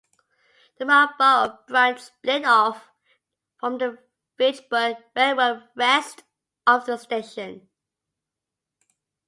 The Marlborough Branch split off from the Fitchburg Railroad west of the station.